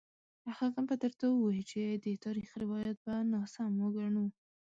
هغه به درته ووايي چې د تاریخ روایت به ناسم وګڼو.